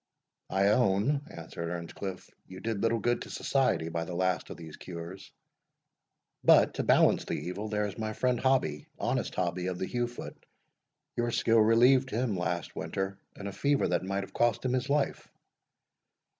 "I own," answered Earnscliff; "you did little good to society by the last of these cures. But, to balance the evil, there is my friend Hobbie, honest Hobbie of the Heugh foot, your skill relieved him last winter in a fever that might have cost him his life."